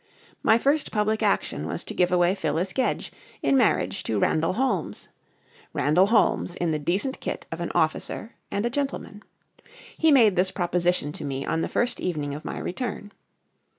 My first public action was to give away Phyllis Gedge in marriage to Randall Holmes Randall Holmes in the decent kit of an officer and a gentleman. He made this proposition to me on the first evening of my return.